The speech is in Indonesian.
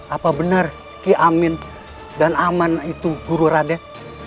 apakah benar kian amin dan aman itu guru raden